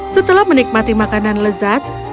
setelah menikmati makanan lezat